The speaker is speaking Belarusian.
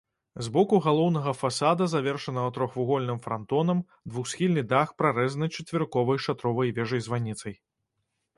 З боку галоўнага фасада, завершанага трохвугольным франтонам, двухсхільны дах прарэзаны чацверыковай шатровай вежай-званіцай.